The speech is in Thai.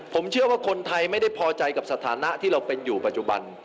ผมเชื่อว่าคนไทยไม่ได้พอใจกับสถานะที่เราเป็นอยู่ปัจจุบัน